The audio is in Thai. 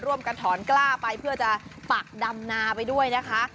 ร่วมกันถอนกล้าไปเพื่อจะปักดำนาไปด้วยนะคะ